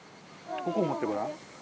ここを持ってごらん。